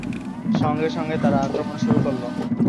সঙ্গে সঙ্গে তারা আক্রমণ শুরু করল।